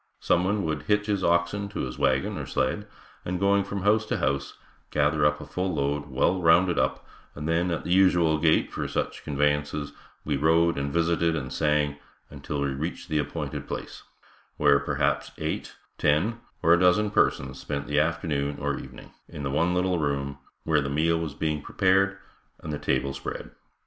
Someone would hitch his oxen to his wagon or sled, and going from house to house, gather up a full load well rounded up and then at the usual gait for such conveyances, we rode and visited and sang until we reached the appointed place, where perhaps, eight, ten or a dozen persons spent the afternoon or evening, in the one little room, where the meal was being prepared and the table spread.